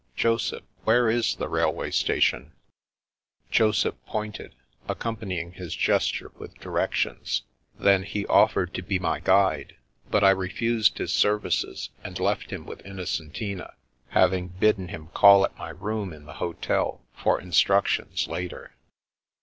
"Joseph, where is the railway station ?" Joseph pointed, accompanying his gesture with directions. Then he offered to be my guide, but I refused his services and left him with Innocentina, having bidden him call at my room in the hotel for instructions later.